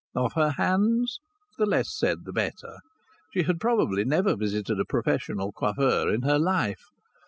Of her hands the less said the better. She had probably never visited a professional coiffeur in her life.